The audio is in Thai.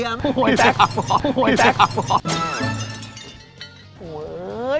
โอ้โหแป๊ก